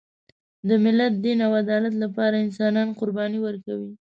د ملت، دین او عدالت لپاره انسانان قرباني ورکوي.